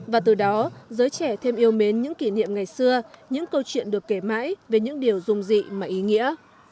và từ đó giới trẻ thêm yêu mến những kỷ niệm ngày xưa những câu chuyện được kể mãi về những điều rung dị mà ý nghĩa